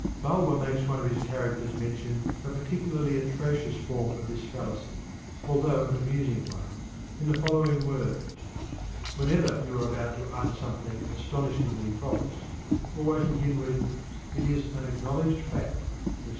Bulwer makes one of his characters mention a particularly atrocious form of this fallacy (although an amusing one) in the following words: "Whenever you are about to utter something astonishingly false, always begin with: 'It is an acknowledged fact,' etc.